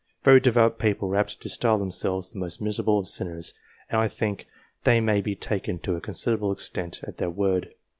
Very devout people are apt to style themselves the most miserable of sinners, and I think they may be taken to a considerable. extent at their word.